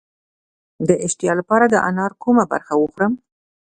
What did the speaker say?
د اشتها لپاره د انار کومه برخه وخورم؟